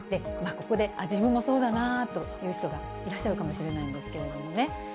ここで、自分もそうだなという人がいらっしゃるかもしれないんですけれどもね。